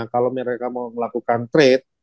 kalau mereka mau melakukan trade